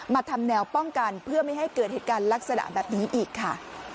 ทำแนวป้องกันเพื่อไม่ให้เกิดเหตุการณ์ลักษณะแบบนี้อีกค่ะ